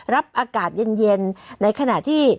รับอากาศเย็นในขณะที่